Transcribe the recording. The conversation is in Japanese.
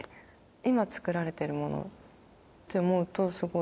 今作られてるものって思うとすごい。